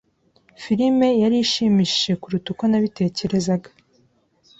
Filime yari ishimishije kuruta uko nabitekerezaga.